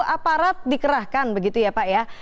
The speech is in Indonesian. aparat dikerahkan begitu ya pak ya